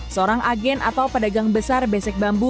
seorang agen atau pedagang besar besek bambu